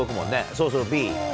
そうそう、Ｂ。